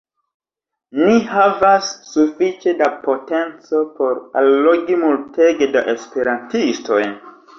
Ni havas sufiĉe da potenco por allogi multege da esperantistoj